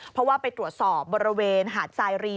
เพราะว่าไปตรวจสอบบริเวณหาดสายรี